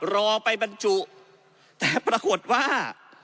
รอไปบรรจุแต่ปรากฏว่า